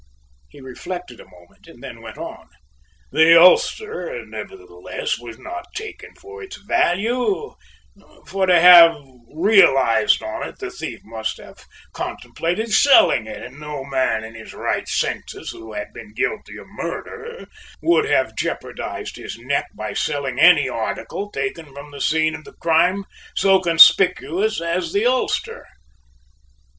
He reflected a moment, and then went on: "The ulster, nevertheless, was not taken for its value, for to have realized on it the thief must have contemplated selling it and no man in his right senses, who had been guilty of murder, would have jeopardized his neck by selling any article taken from the scene of the crime so conspicuous as that ulster.